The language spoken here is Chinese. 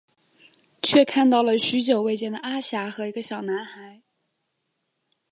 却看到了许久未见的阿霞和一个小男孩。